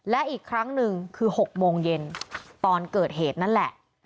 และอีกครั้งหนึ่งคือ๖โมงเย็นตอนเกิดเหตุนั่นแหละ